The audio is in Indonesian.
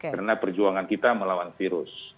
karena perjuangan kita melawan virus